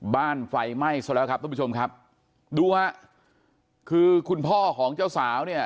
ไฟไหม้ซะแล้วครับท่านผู้ชมครับดูฮะคือคุณพ่อของเจ้าสาวเนี่ย